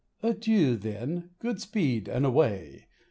Adieu, then, good speed and away